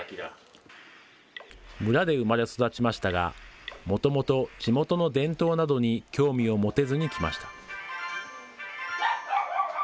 村で生まれ育ちましたが、もともと地元の伝統などに興味を持てずにきました。